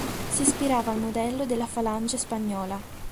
S’ispirava al modello della Falange spagnola.